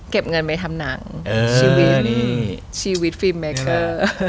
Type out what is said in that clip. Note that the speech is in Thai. เก็บเงินไปทำหนังชีวิตฟิล์เมเกอร์